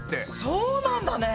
そうなんだね！